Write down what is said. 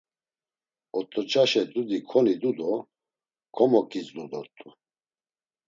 Ot̆oçaşe dudi konidu do komoǩizdu dort̆u.